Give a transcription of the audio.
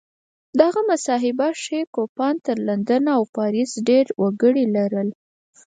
دغه محاسبه ښيي کوپان تر لندن او پاریس ډېر وګړي لرل.